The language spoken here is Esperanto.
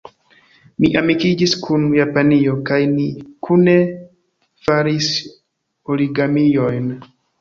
Mi amikiĝis kun japanino, kaj ni kune faris origamiojn.